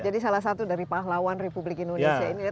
jadi salah satu dari pahlawan republik indonesia ini